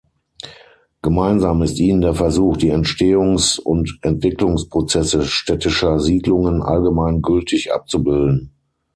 Gemeinsam ist ihnen der Versuch, die Entstehungs- und Entwicklungsprozesse städtischer Siedlungen allgemein gültig abzubilden.